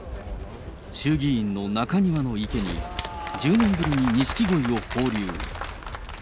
衆議院の中庭の池に、１０年ぶりに錦鯉を放流。